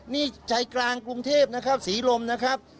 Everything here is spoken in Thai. นี่ใจกลางกรุงเทพนะครับศรีลมนะครับ